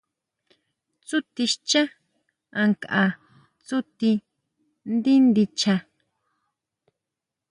Tsúti xchá ankʼa tsúti ndí ndicha.